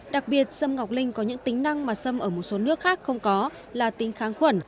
đặc biệt sâm ngọc linh có những tính năng mà xâm ở một số nước khác không có là tính kháng khuẩn